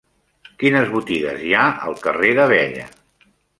Quines botigues hi ha al carrer d'Abella?